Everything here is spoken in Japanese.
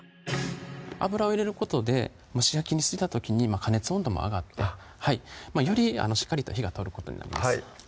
油を入れることで蒸し焼きにした時に加熱温度も上がってよりしっかりと火が通ることになります